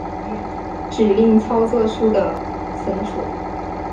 指令操作数的存储